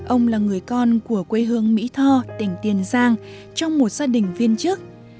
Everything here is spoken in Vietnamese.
ông là người con của quê hương mỹ tho tỉnh tiền giang trong một gia đình viên chức